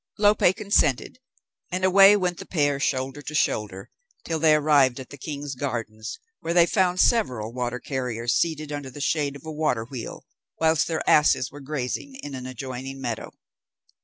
Lope consented, and away went the pair shoulder to shoulder, till they arrived at the King's Gardens, where they found several water carriers seated under the shade of a water wheel, whilst their asses were grazing in an adjoining meadow.